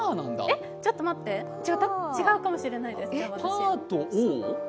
え、ちょっと待って、違うかもしれないです、私。